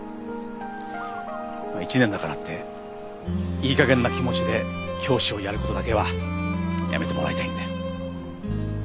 １年だからっていいかげんな気持ちで教師をやることだけはやめてもらいたいんだよ。